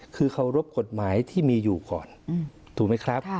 คือเคารพกฎหมายที่มีอยู่ก่อนถูกไหมครับ